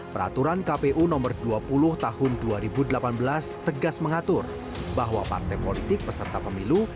peraturan kpu nomor dua puluh tahun dua ribu delapan belas tegas mengatur bahwa partai politik peserta pemilu